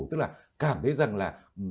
tức là cảm thấy rằng là